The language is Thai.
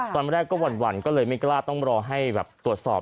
ตอนแรกก็หวั่นก็เลยไม่กล้าต้องรอให้แบบตรวจสอบ